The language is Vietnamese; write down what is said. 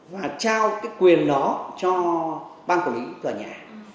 và trao cái quyền đó cho ban quản lý tòa nhà